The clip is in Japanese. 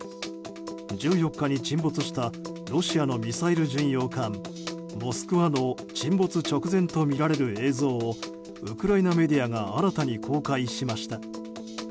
１４日に沈没したロシアのミサイル巡洋艦「モスクワ」の沈没直前とみられる映像をウクライナメディアが新たに公開しました。